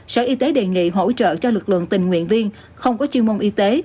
sở y tế đề nghị hỗ trợ cho lực lượng tình nguyện viên không có chuyên môn y tế